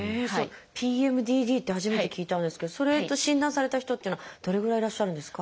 ＰＭＤＤって初めて聞いたんですけどそれと診断された人っていうのはどれぐらいいらっしゃるんですか？